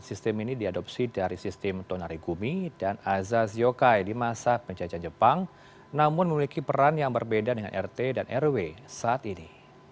sistem ini diadopsi dari sistem tonari gumi dan azaz yokai di masa penjajahan jepang namun memiliki peran yang berbeda dengan rt dan rw saat ini